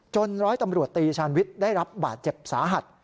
ร้อยตำรวจตีชาญวิทย์ได้รับบาดเจ็บสาหัส